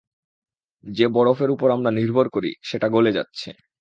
যে বরফের উপর আমরা নির্ভর করি সেটা গলে যাচ্ছে।